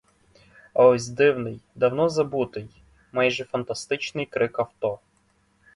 Аж ось дивний, давно забутий, майже фантастичний крик авто.